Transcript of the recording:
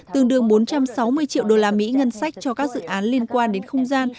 tương đương bốn trăm sáu mươi triệu đô la mỹ ngân sách cho các dự án liên quan đến không gian